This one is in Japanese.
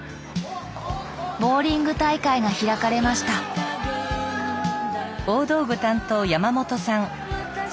ボーリング大会が開かれましたやった！